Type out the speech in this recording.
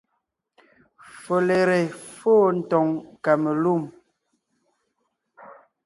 Folere fô tòŋ kamelûm,